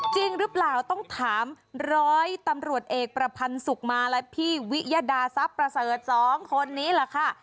จริงหรือเปล่าต้องถามร้อยตำรวจเอกประพันธ์สุขมาและพี่วิยดาทรัพย์ประเสริฐสองคนนี้แหละค่ะ